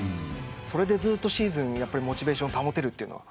それでずっとシーズンモチベーションを保てるのは。